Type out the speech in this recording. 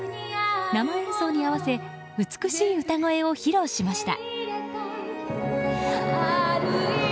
生演奏に合わせ美しい歌声を披露しました。